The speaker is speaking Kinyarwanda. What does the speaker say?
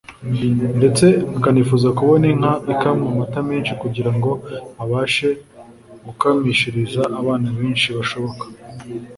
ndetse akanifuza kubona inka ikamwa amata menshi kugira ngo abashe gukamishiriza abana benshi bashoboka